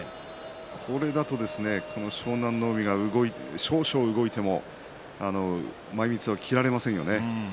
それですと、湘南乃海が少々動いても前みつは切られませんよね。